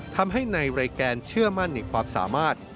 ทำให้ในรายการเชื่อมั่นในความสามารถ